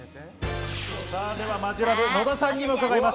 マヂラブ・野田さんにも伺います。